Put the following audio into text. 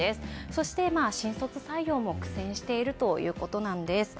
そして今、新卒採用も苦戦しているということです。